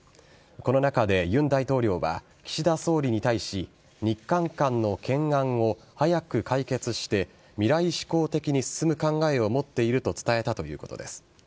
この中で、尹大統領は岸田総理に対し、日韓間の懸案を早く解決して未来指向的に進む考えを持っていると伝えたということです。